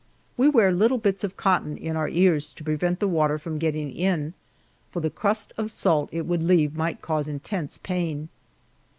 We wear little bits of cotton in our ears to prevent the water from getting in, for the crust of salt it would leave might cause intense pain.